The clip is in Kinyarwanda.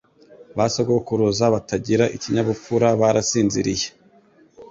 Ba sogokuruza batagira ikinyabupfura barasinziriye.